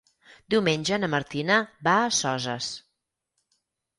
Diumenge na Martina va a Soses.